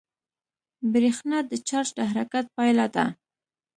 برېښنا د چارج د حرکت پایله ده.